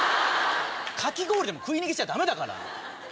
かき氷でも食い逃げしちゃダメだから！